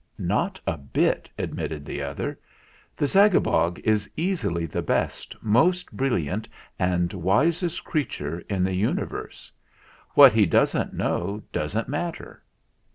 "Not a bit," admitted the other. "The Zagabog is easily the best, most brilliant, and wisest creature in the universe. What he doesn't know doesn't matter.